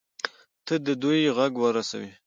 ته د دوى غږ ورسوي.